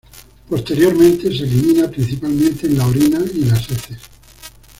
Posteriormente se elimina principalmente en la orina y las heces.